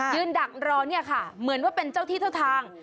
ดักรอเนี่ยค่ะเหมือนว่าเป็นเจ้าที่เจ้าทาง